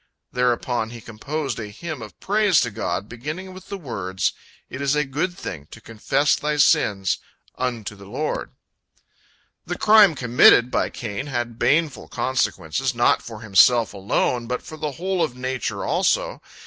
Thereupon he composed a hymn of praise to God, beginning with the words, "It is a good thing to confess thy sins unto the Lord!" The crime committed by Cain had baneful consequences, not for himself alone, but for the whole of nature also.